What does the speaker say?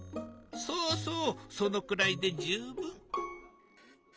そうそうそのくらいで十分。